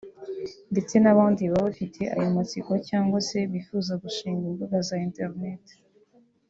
ndetse n’abandi baba bafite ayo matsiko cyangwa se bifuza gushinga imbuga za internet